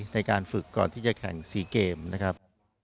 ในการฝึกก่อนที่จะแข่ง๔เกมนะครับ